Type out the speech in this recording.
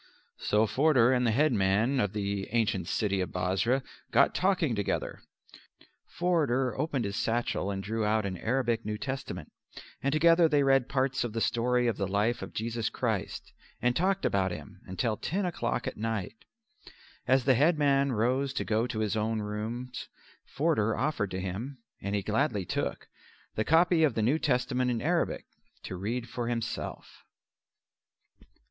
So Forder and the headman of the ancient city of Bosra got talking together. Forder opened his satchel and drew out an Arabic New Testament, and together they read parts of the story of the life of Jesus Christ and talked about Him till ten o'clock at night. As the headman rose to go to his own rooms Forder offered to him, and he gladly took, the copy of the New Testament in Arabic to read for himself.